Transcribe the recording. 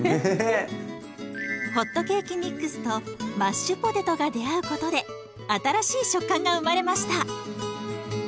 ホットケーキミックスとマッシュポテトが出会うことで新しい食感が生まれました。